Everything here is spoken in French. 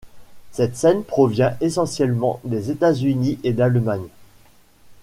Cette scène provient essentiellement des États-Unis et d'Allemagne.